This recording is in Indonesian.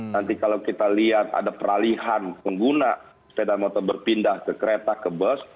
nanti kalau kita lihat ada peralihan pengguna sepeda motor berpindah ke kereta ke bus